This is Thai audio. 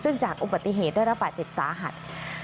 ซึ่งจากอุบัติเหตุได้รับบาดเจ็บสาหัส